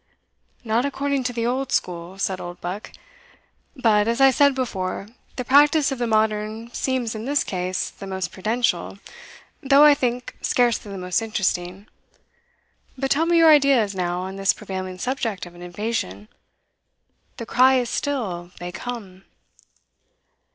"Not according to the old school," said Oldbuck; "but, as I said before, the practice of the modern seems in this case the most prudential, though, I think, scarcely the most interesting. But tell me your ideas now on this prevailing subject of an invasion. The cry is still, They come."